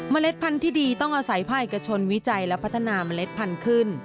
เล็ดพันธุ์ที่ดีต้องอาศัยภาคเอกชนวิจัยและพัฒนาเมล็ดพันธุ์ขึ้น